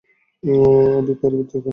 আভি, পরিবর্তন কর।